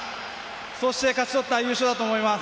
そして勝ち取った優勝だと思います。